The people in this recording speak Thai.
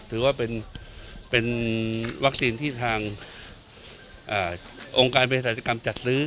ถือว่าเป็นวัคซีนที่ทางองค์การเพศาสตกรรมจัดซื้อ